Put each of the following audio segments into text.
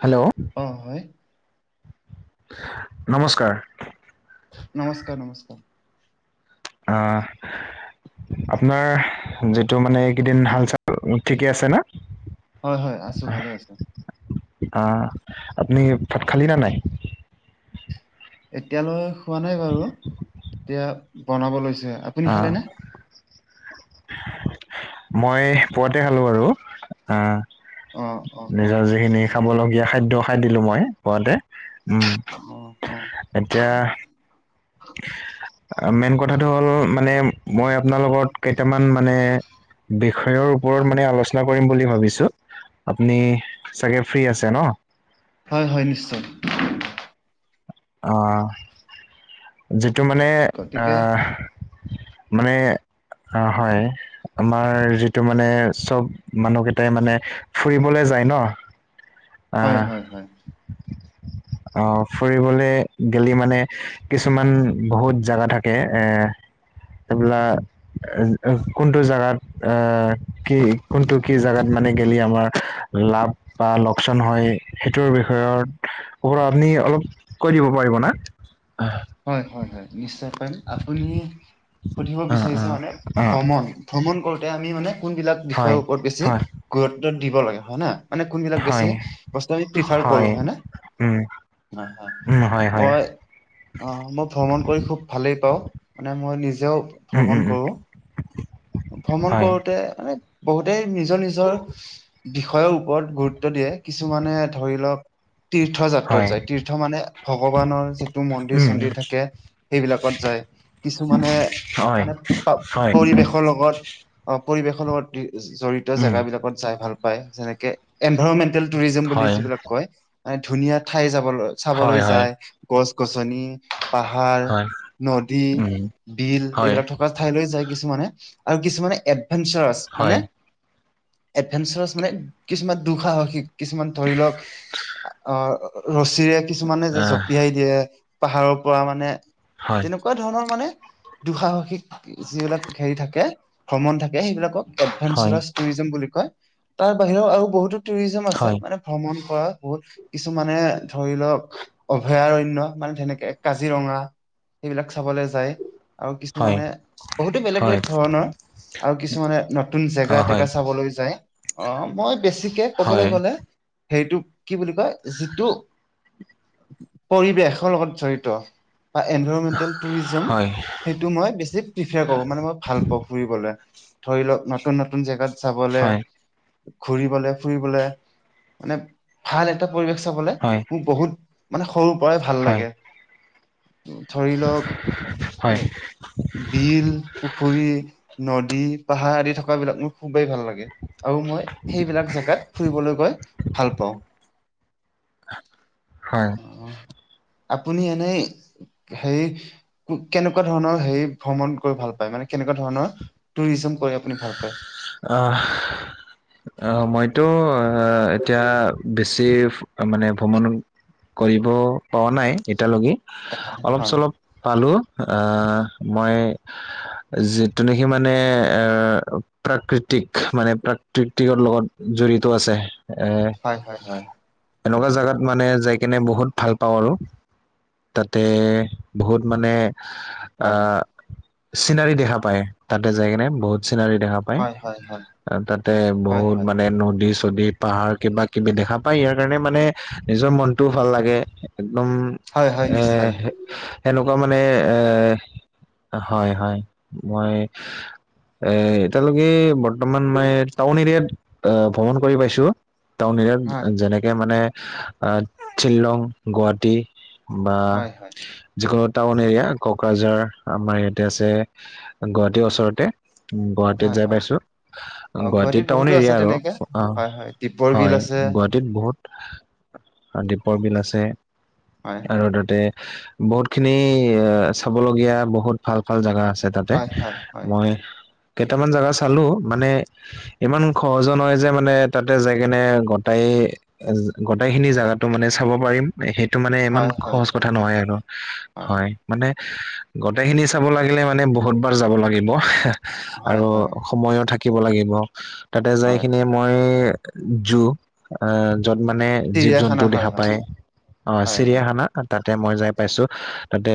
Hello, অ হয় নমস্কাৰ। নমস্কাৰ, নমস্কাৰ। আ আপোনাৰ যিটো মানে, এইকেইদিন ধান চান ঠিকে আছে না? হয় হয় আছো, ভালে আছো। আহ আপুনি, ভাত খালি না নাই? এতিয়ালৈ খোৱা নাই বাৰু, এতিয়া বনাব লৈছে। আপুনি আহ খালে নে? মই পুৱাতে খালোঁ আৰু, আ অ অ অ নিজৰ যিখিনি খাবলগীয়া খাদ্য, খাই দিলো মই পুৱাতে। উম, অ অ এতিয়া। মেইন কথাটো হ'ল মানে মই আপোনা লগত কেট কেইটামান মানে বিষয়ৰ ওপৰত মানে আলোচনা কৰিম বুলি ভাবিছো আপুনি চাগে ফ্ৰী আছে ন হয় হয় নিশ্চয় আহ যিটো মানে গতিকে আহ মানে অ হয় আমাৰ যিটো মানে চব মানুহকেইটাই মানে ফুৰিবলে যায় ন হয় হয় হয় [inaudible] আহ ফুৰিবলে গেলী মানে কিছুমান বহুত জাগা থাকে এ সেইবিলাক কোনটো জেগাত কি কোনটো কি জোগাত মানে গেলি আমাৰ লাভ বা লচ হয় সেইটোৰ বিষয়ৰ ওপৰত আপুনি অলপ কৈ দিব পাৰিব না। হয়। হয়, হয়, হয় নিশ্চয়। আপু সুধিব বিচাৰি অ মানে অ ভ্ৰমণ ভ্ৰমণ কৰোতে আমি মানে কোনবিলাক হয় বিষয়ৰ ওপৰত বেছি হয় গুৰুত্ব দিব লাগে হয় ন। মানে কোনবিলাক বেছি হয় বস্তম প্ৰফাৰ কৰো হয়। উম হয় হয় উম হয় হয় মই মই ভ্ৰমণ কৰি খুব ভালেই পাওঁ মানে মই নিজেও উম ভ্ৰমণ উম উম কৰোঁ। ভ্ৰমণ হয় কৰোতে মানে বহুতেই নিজৰ নিজৰ বিষয়ৰ ওপৰত গুৰুত্ব দিয়ে কিছুমানে ধৰি লওক তীৰ্থ যাত্ৰাত হয় যায় তীৰ্থ মানে ভগৱানৰ যিটো মন্দিৰ ন্দ উম, থাকে সেইবিলাকত যায় কিছুমানে হয়, মানে হয়, পৰিৱেশৰ লগত অঁ পৰিৱেশনৰ লগত জড়িত জেগ উম, বিলাকত যাই ভাল পায় যেনেকে এনভাইৰমেন্টেল টুৰিজম বুলি হয়, যিবিলাক কয় মান ধুনীয়া ঠাই যাবলৈ হয়, চাবলৈ হয়, যায় গছ গছনি পাহাৰ, হয়, নদী, উম, বিল হয়, এইবিলাক থকা ঠাইলৈ যায়। কিছুমানে আৰু কিছুমানে এডভেঞ্চাৰছ মানে হয়, এডভেঞ্চাৰছ মানে কিছুমান দুঃসাহসিক কিছুমান ধৰি লওঁক অ ৰ চিৰে কিছুমানে যে আহ, জপিয়াই দিয়ে পাহাৰৰ পৰা মানে হয়, তেনেকুৱা ধৰণৰ মানে দুঃসাহসিক যিবিলাক হেৰি থাকে ভ্ৰমণ থাকে সেইবিলাকক হয়, এডভেঞ্চাৰছ টুৰিজম বুলি কয়, তাৰ বাহিৰেও আৰু বহুতো টুৰিজম আছে হয়, মানে ভ্ৰমণ। হয় বহুত কিছুমানে ধৰি লওক অভয়াৰণ্য মানে তেনেকে কাজিৰঙা এইবিলাক চাবলে যায় আৰু হয়, কিছুমানে বহুতো বেলেগ- হয়, বেলেগ ধৰণৰ। আৰু কিছুমানে নতুন অ, জেগা - হয়, তেগা চাবলৈ যায়। অ' মই বেছিকে কবলৈ হয়, গলে, হেৰিটো কি বুলি কয় যিটো পৰিৱেশৰ লগত জড়িত বা এনভাইৰমেণ্টেল টুৰিজম। হয়, সেইটো মই বেছি প্ৰিফাৰ কৰো মানে মই ভাল পাওঁ ফুৰিবলৈ। ধৰি লওক নতুন- নতুন জেগাত যাবলৈ। হয়, ঘুৰিবলে ফুৰিবলে মানে ভাল এটা পৰিৱেশ চাবলে হয়, মোৰ বহুত মানে সৰুৰ পৰাই ভাল হয়, লাগে। ধৰি লওক হয়, বিল, পুখুৰী নদ নদী, পাহাৰ আদি থকা বিলাক মোক খুবেই ভাল লাগে আৰু মই সেইবিলাক জেগাত ফুৰিবলৈ গৈ ভাল পাওঁ। হয়। আপুনি এনেই সেই কেনেকুৱা ধৰণৰ হে ভ্ৰমণ কৰি ভাল পায় মানে কেনেকুৱা ধৰণৰ টুৰিজম কৰি আপুনি ভাল পায় আহ - আহ মইতো। অ, এতিয়া বেছি মানে ভ্ৰমণ কৰিব প নাই এতিালৈকে অলপ হয় চলপ পালো। আহ, মই যিটো নেকি মানে। প্ৰাকৃতিক মানে প্ৰাকৃতিকৰৰ লগত জড়িত আছে। এ হয় হয় হয় - এনেকুৱা জোগাত মানে স কেনে বহুত ভাল পাও আৰু তাতে বহুত মানে হয় আহ, চিনাৰি দেখা পায় তাতে যাই কিনে বহুত হয় হয় হয় তাতে হয় বুত হয় মান। যদি পাহাৰ কিবা কিবি দেখা পায় ইয়াৰ কাৰণে মানে নিজৰ মনটোও ভাল লাগে। একদম হয় হয় নিশ্চয় এ সেনেকুৱা মানে হয় - হয় মই এ -এতিয়ালৈকে বৰ্তমান মই টাউন এৰিয়াত ভ্ৰমণ কৰি পাইছো। হয় টাউনৰি যেনেকে মানে শিললং গুৱাহাটী বা হয় হয় যখত টাউন এৰিয়া ককৰাঝাৰ আমাৰ ইয়াতে আছে গুৱাহাটী ওচৰতে। গুৱাহাটীত হয় যাই হয় পাইছো অ গুৱাহাটী গুৱাহাটীত টাউন বহুতো আছে এৰিয়া আৰু তেনেকে অ, হয় হয় দীপৰ বিল হয়। আছে গুৱাহাটীত বহুত দীপৰ বিল আছে হয় আৰু হয় তাতে বহুত খিনি এ চাবলগীয়া বহুত ভাল - ভাল জোগা আছে। তাতে হয় হয় হয় মই হয় কেইটামান জোগা চালো মানে ইমান সহজ নহয় যে মানে তাতে যাই কেনে গট গোটেই খিনি জোগাতো মানে চাব পাৰিমেই। টো মানে ইমান হয় হয় সহজ কথা নহয় আৰু হয় মানে গোটেই খিনি চাব লাগিলে মানে বহুতবাৰ যাব লাগিব। হয় হয় আৰু হয় সময়ো থাকিব লাগিব তাতে যাই হয় খিনি মই জু আহ, যত মানে জীৱ জন্তু চিৰিয়াখানা হয় দেখা হয় পায়। অ হয় হয় চিৰিয়াখানা তাতে মই যাই পাইছো তাতে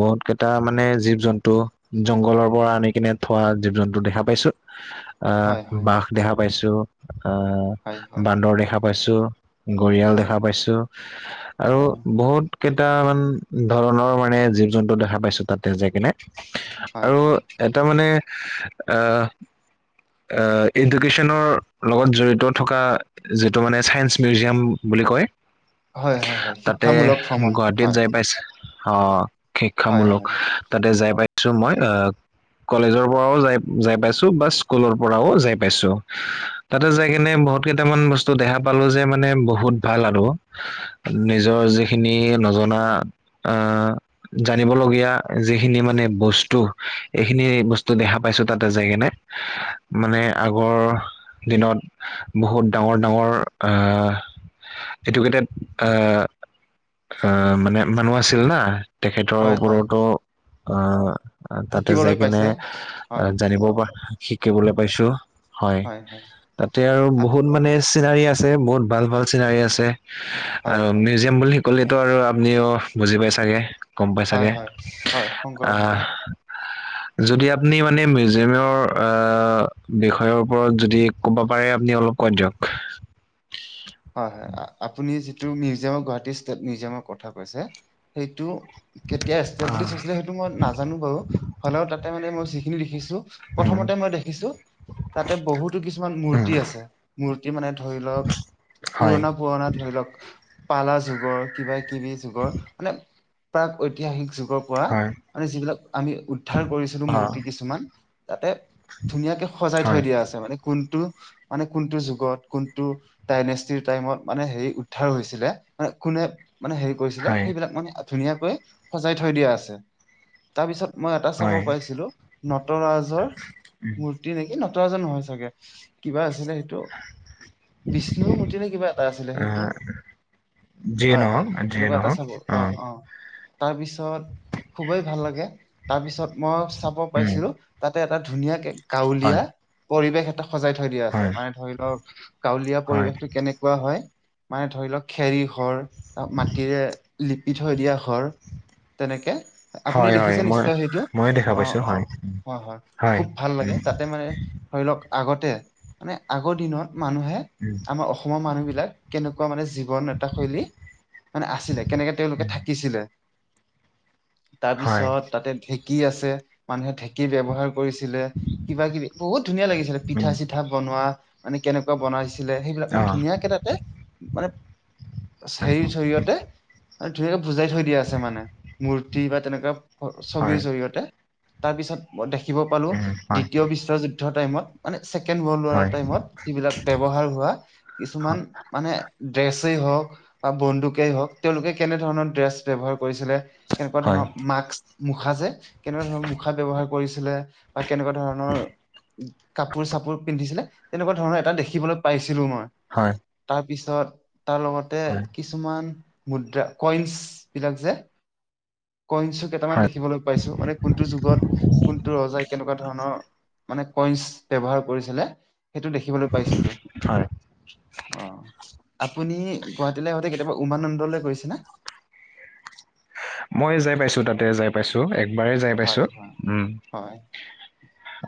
বহুত এটা মানে জীৱ জন্তু জংঘলৰ পৰা আনি কিনে থোৱা জীৱ জন্তু দেখা পাইছো। আহ, হয় হয় হয় বশ দেখা পাইছো আহ হয় হয় হয় বান্দৰ দেখা পাইছো। গৰিয়াল হয় দেখা পাইছো আৰু বহুত কেইটামান ধৰণৰ মানে জীৱ জন্তু দেখা পাইছো তাতে যাই কিনে হয় আৰু এটা মানে আহ, এ- এডুকেশ্যনৰ লগত জড়িত থকা যিটো মানে চাইস মিউজিয়াম বুলি কয়। হয় হয় হয় তাতে শিক্ষামূলক ভ্ৰমণ গুৱাহাটীত হয় যাই পাইছে। আহ, হয় শিক্ষামূলক তাতে যাই পাইছো মই আহ কলেজৰ পৰাও যাই যাই পাইছো বা স্কুলৰ পৰাও যাই পাইছো তাতে যাই কিনে বহুত কেইটামান বস্তু দেখা পালো যে মানে বহুত ভাল আৰু নিজৰ যিখিনি নজনা আহ জানিব লগগীয়া যিখিনি মানে বস্তু এইখিনি বস্তু দেখা পাইছো তাতে যায়গেনে মানে আগৰ দিনত বহুত ডাঙৰ - ডাঙৰ এডুকেটেড আহ আহ, মানে মানুহ আছিল না তেখেতৰ হয়, হয়, ওপৰতো অ, তাতে যাই শিকিবলৈ কেনে পাইছে। হয়, জানিব শিকিবলৈ পাইছো। হয় তাতে আৰু আপ বহুত মানে। চিনাৰি আছে বহুত ভাল - ভাল চিনাৰী আছে হয়, আৰু হয়, মিউজিয়াম বুলি শ কলিতো আৰু আপুনিও বুজি পাই চাগে গম পাই হয়, চাগে হয়, হয়, আহ সংগ্ৰহালয়। [inaudible] যদি আপুনি মানে মিউজিয়ামৰ বিষয়ৰ ওপৰত যদি ক'ব পাৰে আপুনি অলপ। [unintelligible] [inaudible] হয়, হয় আপুনি যিটো মিউজিয়ামৰ গুৱাহাটী ষ্টে মিউজিয়ামৰ কথা কৈছে সেইটো কেতিয়ালি হৈছিল সেইটো মই নাজানো বাৰু হলেও তাতে মানে মই যি খিনিখিছো প্ৰচ মতে মই দেখিছো তাতে বহুতো কিছুমান মূৰ্তি আছে মূৰ্তি মানে ধৰি লওক পুৰণা, পুৰণা ধৰি লওক পালা যুগৰ কিবা কিবি যুগৰ মানে প্ৰাক ঐতিহাসিক যুগৰ পৰা হয় মানে যিবিলাক আমি উদ্ধাৰ কৰিছিলো অ মূৰ্তি কিছুমান যাতে ধুনীয়াকে সজাই হয় থৈ দিয়া আছে মানে কোনটো মানে কোনটো যুগত কোনটো দাইনেষ্টিৰ টাইমত মানে হেৰি উদ্ধাৰ হৈছিলে মানে কোনে মানে হেৰি কৰিছিলে হয় সেইবিলাক মানে ধুনীয়াকৈ সজাই থৈ দিয়া আছে তাৰপিছত মই এটা চাব হয় পাৰিছিলো ন নটৰাজৰ উম, মূৰ্তি নেকি নটৰাজৰ নহয় চাগে কিবা আছিলে সেইটো বিষ্ণুৰ মূৰ্তি নে কিবা এটা আছিলে সেইটো আহ, যিয়ে হয়, হয় নহওক যিয়ে তেনেকুৱা এটা নহওক চাব অ', অ', তাৰপিছত খুবেই ভাল লাগে তাৰ পিছত মই চাব উম, পাৰিছিলো তাত তাতে এটা ধুনীয়াকে গাঁৱলীয়া পৰিৱেশ এটা সজাই থৈ দিয়া আছে হয় মানে ধৰি লওক ল হয় পৰিৱেশটো কেনেকুৱা হয় মানে ধৰি লওক খেৰী হৰ মাটিৰে লিপি থৈ দিয়া ঘৰ তেনেকে আপুনি হয় হয় দেখিছে মই নিশ্চয় সেইটো ময়ে দেখা অ', পাইছো হয় অ', হয়, হয় খুব ভাল লাগে তাতে মানে ধৰি লওক আগত মানে আগৰ দিনত মানুহে উম, আমাৰ অসমৰ মানুহ বিলাক কেনেকুৱা মানে জীৱন এটা শৈলী মানে আছিলে কেনেকে তেওঁলোকে উম, থাকিছিলে হয় তাৰপিছত তাতে ঢেঁকী আছে মানুহে ঢেঁকী কি ব্যৱহাৰ কৰিছিলে কিবা কিবি বহুত ধুনীয়া লাগিছিলে পিঠা উম, চিঠা বনোৱা মানে কেনেকুৱা বনাইছে ছিলে সেইবিলাক অ মানে ধুনীয়াকে তাতে মানে হে হয় জৰিয়তে আৰু ধুনীয়াকে বুজাই থৈ দিয়া আছে মানে মূৰ্তি বা তেনেকুৱা ছবিৰ হয় জৰিয়তে তাৰপিছত দেখিব পালো উম, হয় দ্বিতীয় বিশ্বযুদ্ধৰ টাইমত মানে ছেকেণ্ড ৱৰ্ল্ড ৱৰ হয় টাইমত যিবিলাক ব্যৱহাৰ হোৱা কিছুমান মানে ড্ৰেছেই হওক বা বন্দুকেই হওক তেওঁলোকে কেনে ধৰণৰ ড্ৰেছ ব্যৱহাৰ কৰিছিলে কেনেকুৱা হয় ধৰণৰ মাস্ক মুখা যে কেনেকুৱা ধৰণৰ মুখা ব্যৱহাৰ কৰিছিলে বা কেনেকুৱা ধৰণৰ কাপোৰ চাপোৰ পিন্ধিছিলে তেনেকুৱা ধৰণৰ এটা দেখিবলৈ পাইছিলো মই হয় তাৰপিছত তাৰ লগতে হয় কিছুমান মুদ্ৰা কইন্ছ বিলাক যে কইনছু কেইটামান হয় দেখিবলৈ পাইছো, মানে কোনটো যুগত কোনটো ৰজাই কেনেকুৱা ধৰণৰ মানে কইন্ছ ব্যৱহাৰ কৰিছিলে সেইটো দেখিবলৈ পাইছিলো হয় অ', আপুনি গুৱাহাটীলৈ আহোতে কেতিয়াবা উমানন্দলৈ গৈছে ন মই যাই পাইছো, তাতে যাই পাইছো একবাৰেই যাই পাইছো হয় হয় উম হয়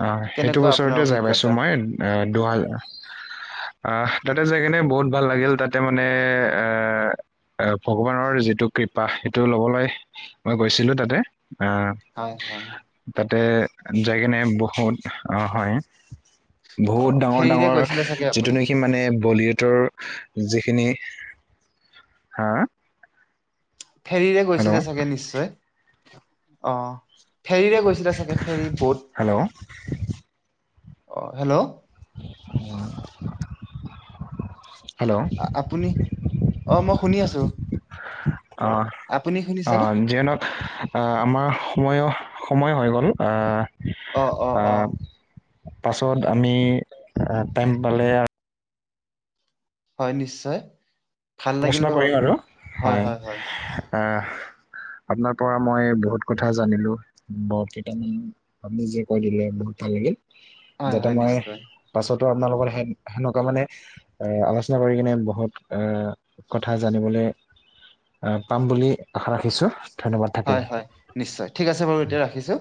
অ', সেইটো কেনেকুৱা আপোনাৰ বছৰতে যাই পাইছো অভিজ্ঞতা মই আহ দুহাজাৰ আহ তাতে যাই কিনে বহুত ভাল লাগিল তাতে মানে এ এ ভগৱানৰ যিটো কৃপা সেইটো ল'ব মই গৈছিলো তাতে অ', হয় হয় তাতে যায় কিনে বহুত হয় অ বহুত ডাঙৰ ফেৰীৰে ডাঙৰ গৈছিলে চাগে যিটো আপুনি নেকি মানে বলিউড ৰ যিখিনি হা ফেৰীৰে গৈছিলে হেল্ল' চাগে নিশ্চয় অ', ফেৰীৰে গৈছিলে ছাগে, ফেৰী বত, হেল্ল' অ হেল্ল', আৰু হেল্ল, আ- আপুনি অ মই শুনি আছো ' অ', আপুনি শুনিছানে অ', যিয়ে নহক আহ আমাৰ সময় সময় হৈ গ'ল অ অ অ। আহ পাছত আমি টাইম পালে হয় নিশ্চয়, ভাল লাগিল আলোচনা বাৰু কৰিম আৰু হয় হয়। আহ, [inaudible] আপোনাৰ পৰা মই বহুত কথা জানিলোঁ কেইটামান আপুনি যে কৈ দিলে বহুত ভাল লাগিল। হয় যাতে হয় মই নিশ্চয় পাছত আপোনাৰ লগত সেনেকুৱা মানে এ আলোচনা কৰি কিনে বহুত এ কথা জানিবলৈ আহ পাম বুলি আশা ৰাখিছোঁ। হয় হয় নিশ্চয় ঠিক আছে বাৰু এতিয়া ৰাখিছোঁ।